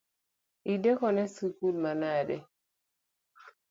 Idekone sikul manade?